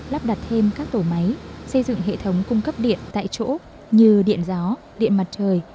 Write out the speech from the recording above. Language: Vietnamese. lắp đặt thêm các tổ máy xây dựng hệ thống cung cấp điện tại chỗ như điện gió điện mặt trời